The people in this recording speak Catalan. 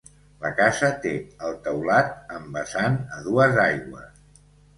La casa té el teulat amb vessant a dues aigües.